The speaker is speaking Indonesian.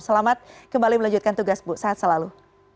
selamat kembali melanjutkan tugas bu sehat selalu